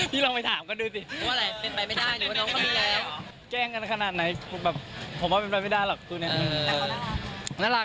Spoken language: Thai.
อยากให้แบบมีมากกว่าเพื่อนอะไรอย่างนี้